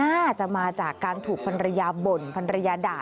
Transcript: น่าจะมาจากการถูกพันรยาบ่นพันรยาด่า